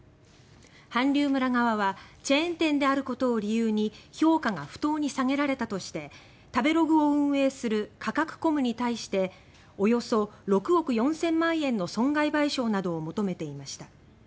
韓流村側はチェーン店であることを理由に評価が不当に下げられたとして食べログを運営するカカクコムに対しておよそ６億４０００万円の損害賠償などを求めていました。